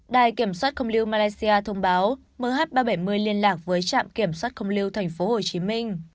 đài kiểm soát không lưu malaysia thông báo mh ba trăm bảy mươi liên lạc với trạm kiểm soát không lưu tp hcm